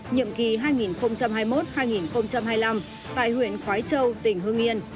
nhiệm kỳ hai nghìn hai mươi một hai nghìn hai mươi năm tại huyện khói châu tỉnh hương yên